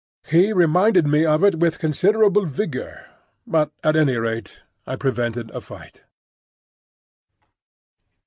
He reminded me of it with considerable vigour; but at any rate I prevented a fight.